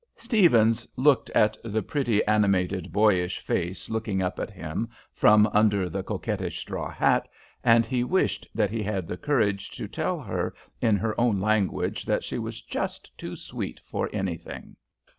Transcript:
Stephens looked at the pretty, animated, boyish face looking up at him from under the coquettish straw hat, and he wished that he had the courage to tell her in her own language that she was just too sweet for anything.